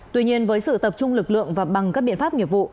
tuy nhiên với sự tập trung lực lượng và bằng các biện pháp nghiệp vụ